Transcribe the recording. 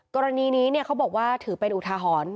กรณีนี้เขาบอกว่าถือเป็นอุทาหรณ์